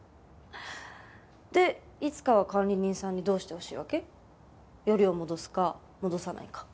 でいつかは管理人さんにどうしてほしいわけ？よりを戻すか戻さないか。